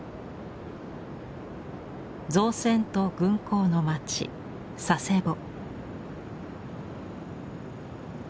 造船と軍港の街佐世保。